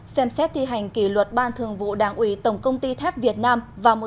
ba xem xét thi hành kỷ luật ban thường vụ đảng ủy tổng công ty thép việt nam